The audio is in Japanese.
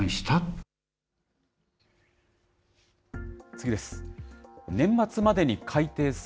次です。